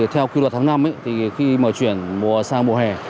theo quy luật tháng năm thì khi mở chuyển sang mùa hè